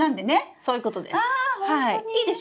そういうことです。